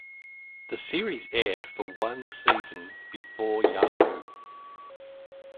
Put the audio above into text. The series aired for one season before Yahoo!